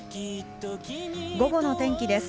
午後の天気です。